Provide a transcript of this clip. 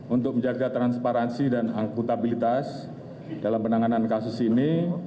untuk menjaga transparansi dan akutabilitas dalam penanganan kasus ini